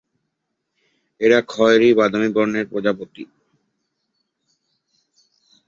এরা খয়েরী বাদামি বর্ণের প্রজাপতি।